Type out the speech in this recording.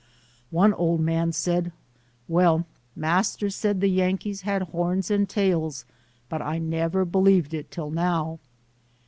One old man said, "Well, Master said the Yankees had horns and tails but I never believed it till now".